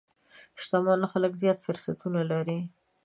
شتمن خلک زیات فرصتونه لري.